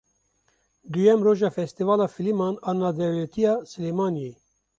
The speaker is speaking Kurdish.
Duyem roja Festîvala Fîlman a Navdewletî ya Silêmaniyê.